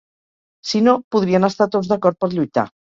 Si no, podrien estar tots d'acord per lluitar.